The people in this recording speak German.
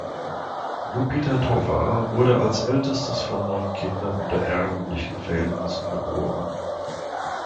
Lupita Tovar wurde als ältestes von neun Kindern unter ärmlichen Verhältnissen geboren.